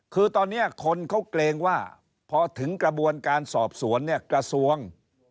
คือตอนนี้คนเขาเกรงว่าพอถึงกระบวนการสอบสวนเนี่ยกระทรวง